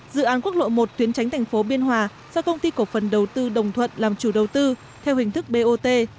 dự án quốc lộ một tuyến tránh thành phố biên hòa do công ty cổ phần đầu tư đồng thuận làm chủ đầu tư theo hình thức bot